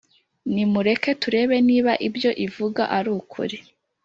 Nimureke turebe niba ibyo ivuga ari ukuri,